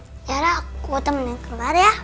tiara aku temen yang keluar ya